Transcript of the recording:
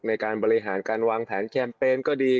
ในการบริหารการวางแผนแคมเปญก็ดี